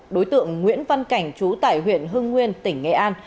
đối tượng nguyễn văn cảnh chú tải huyện hưng nguyên tỉnh nghệ an